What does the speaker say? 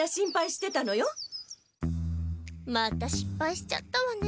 またしっぱいしちゃったわね。